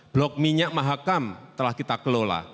blok minyak mahakam telah kita kelola